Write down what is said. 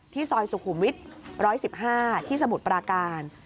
ซอยสุขุมวิทย์๑๑๕ที่สมุทรปราการ